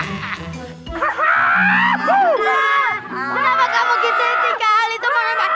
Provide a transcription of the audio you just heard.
itu mana maksudnya